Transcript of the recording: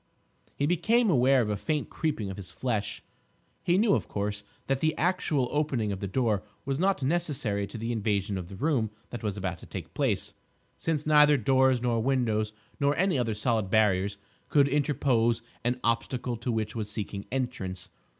He became aware of a faint creeping of his flesh. He knew, of course, that the actual opening of the door was not necessary to the invasion of the room that was about to take place, since neither doors nor windows, nor any other solid barriers could interpose an obstacle to what was seeking entrance.